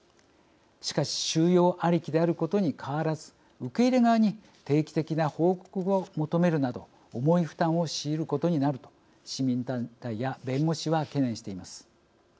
しかし収容ありきであることに変わらず受け入れ側に定期的な報告を求めるなど重い負担を強いることになると市民団体や弁護士は懸念しています。